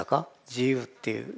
自由っていう。